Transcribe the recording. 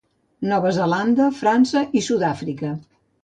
Nova Zelanda, França i Sud-Àfrica.